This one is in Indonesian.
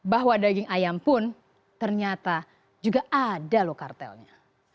bahwa daging ayam pun ternyata juga ada loh kartelnya